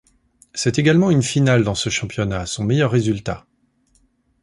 C'est également une finale dans ce championnat, son meilleur résultat.